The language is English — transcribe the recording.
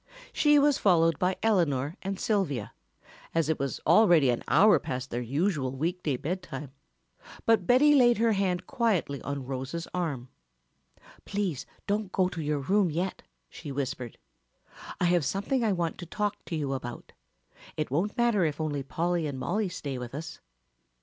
She was followed by Eleanor and Sylvia, as it was already an hour past their usual week day bedtime, but Betty laid her hand quietly on Rose's arm. "Please don't go to your room yet," she whispered, "I have something I want to talk to you about. It won't matter if only Polly and Mollie stay with us."